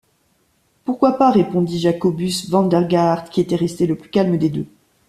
Pourquoi pas? répondit Jacobus Vandergaart, qui était resté le plus calme des deux.